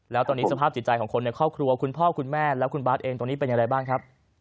แล้วตอนนี้สภาพจิตใจของคนในครอบครัวคุณพ่อคุณแม่และคุณบาทเองตรงนี้เป็นอย่างไรบ้างครับ